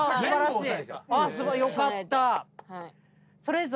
すごい。よかった。